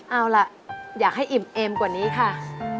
เอาล่ะอยากให้อิ่มเอ็มกว่านี้ค่ะ